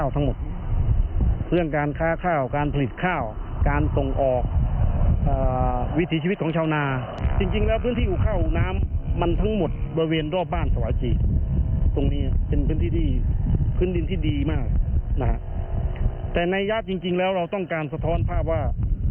แต่ในญาติจริงแล้วเราต้องการสะท้อนภาพว่า